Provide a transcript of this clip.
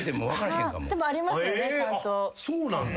へぇそうなんだ。